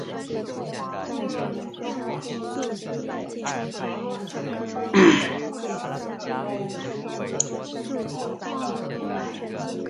人人在行使他的权利和自由时,只受法律所确定的限制,确定此种限制的唯一目的在于保证对旁人的权利和自由给予应有的承认和尊重,并在一个民主的社会中适应道德、公共秩序和普遍福利的正当需要。